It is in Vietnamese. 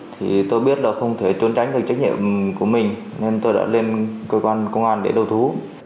thì tôi biết là không thể trốn tránh được trách nhiệm của mình nên tôi đã lên cơ quan công an để đầu thú